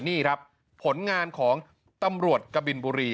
นี่ครับผลงานของตำรวจกบินบุรี